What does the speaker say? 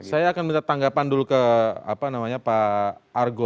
saya akan minta tanggapan dulu ke pak argo